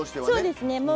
そうですね。